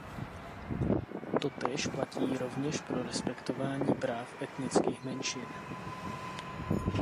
Totéž platí rovněž pro respektování práv etnických menšin.